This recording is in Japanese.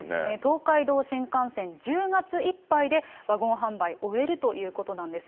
東海道新幹線、１０月いっぱいで、ワゴン販売終えるということなんです。